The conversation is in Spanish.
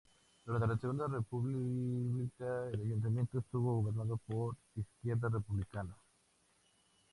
Durante la Segunda República el Ayuntamiento estuvo gobernado por Izquierda Republicana.